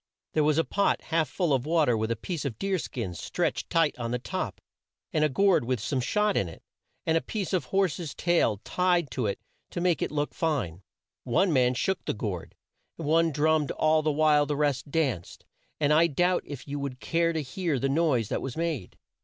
There was a pot half full of water with a piece of deer skin stretched tight on the top, and a gourd with some shot in it, and a piece of horse's tail tied to it to make it look fine. One man shook the gourd, and one drummed all the while the rest danced, and I doubt if you would care to hear the noise that was made.